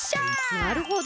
なるほど。